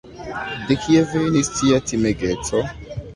De kie venis tia timegeco?